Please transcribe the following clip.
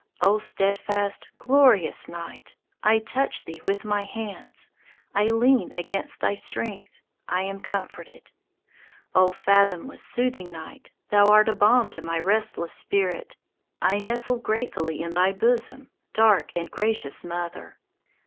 O steadfast, glorious Night! I touch thee with my hands; I lean against thy strength; I am comforted. O fathomless, soothing Night! Thou art a balm to my restless spirit, I nestle gratefully in thy bosom, Dark, gracious mother!